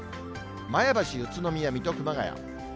前橋、宇都宮、水戸、熊谷。